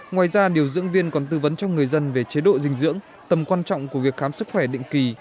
ngoài ra điều dưỡng viên còn tư vấn cho người dân về chế độ dinh dưỡng tầm quan trọng của việc khám sức khỏe định kỳ